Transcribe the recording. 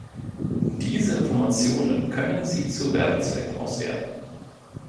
Diese Informationen können sie zu Werbezwecken auswerten.